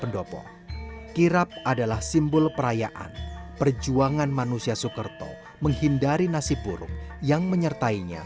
diraja dan pembawa dari kanaan